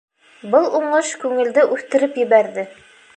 Был уңыш күңелде үҫтереп ебәрҙе.